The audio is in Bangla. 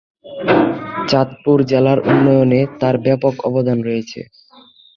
চাঁদপুর জেলার উন্নয়নে তার ব্যাপক অবদান রয়েছে।